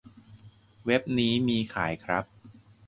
เว็บนี้มีขายครับ